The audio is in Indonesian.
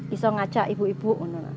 bisa mengajak ibu ibu